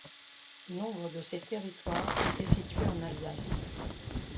Nombre de ces territoires étaient situés en Alsace.